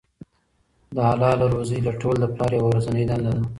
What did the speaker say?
د حلاله روزۍ لټول د پلار یوه ورځنۍ دنده ده.